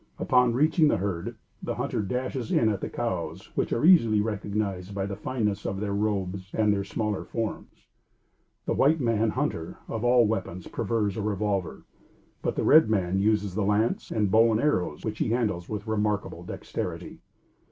Upon reaching the herd, the hunter dashes in at the cows, which, are easily recognized by the fineness of their robes and their smaller forms. The white man hunter, of all weapons, prefers a revolver; but, the red man uses the lance, and bow and arrows, which he handles with remarkable dexterity.